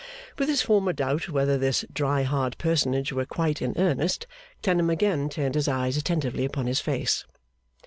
With his former doubt whether this dry hard personage were quite in earnest, Clennam again turned his eyes attentively upon his face.